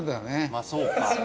まあそうか。